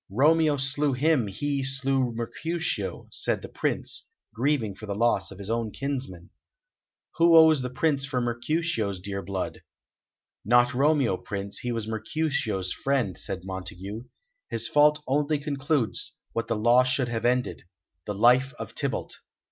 "Romeo slew him, he slew Mercutio," said the Prince, grieving for the loss of his own kinsman. "Who owes the price for Mercutio's dear blood?" "Not Romeo, Prince; he was Mercutio's friend," said Montague. "His fault only concludes what the law should have ended the life of Tybalt."